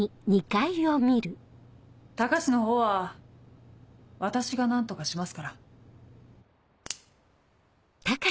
高志のほうは私が何とかしますから。